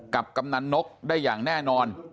กำนันนกได้อย่างแน่นอน